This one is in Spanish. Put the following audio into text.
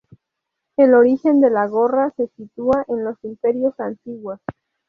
El origen de la gorra se sitúa en los imperios antiguos.